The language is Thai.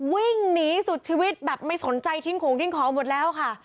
วิ่งหนีสุดชีวิตแบบไม่สนใจทิ้งของทิ้งของหมดแล้วค่ะ